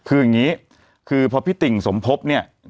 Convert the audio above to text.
ตอนนี้คือพอพี่ติ่งสมพบเนี่ย